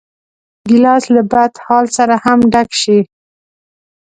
ګیلاس له بدحال سره هم ډک شي.